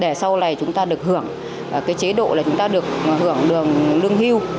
để sau này chúng ta được hưởng cái chế độ là chúng ta được hưởng đường lương hưu